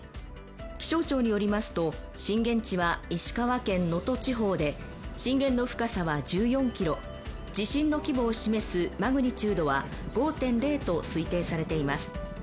気象庁によりますと震源地は石川県能登地方で震源の深さは１４キロ地震の規模を示すマグニチュードは５．０と推定されています。